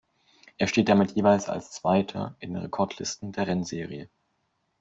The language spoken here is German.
Er steht damit jeweils als Zweiter in den Rekordlisten der Rennserie.